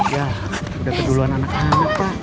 ya sudah keduluan anak anak pak